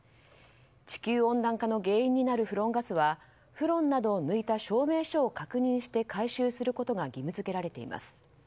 地球温暖化の原因になるフロンガスはフロンなどを抜いた証明書を確認して回収することが義務付けられています。